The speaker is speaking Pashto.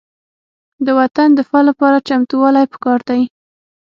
د وطن دفاع لپاره چمتووالی پکار دی.